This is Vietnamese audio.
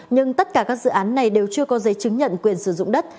nhưng tất cả các dự án này đều chưa có giấy chứng nhận quyền sử dụng đất